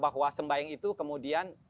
bahwa sembahyang itu kemudian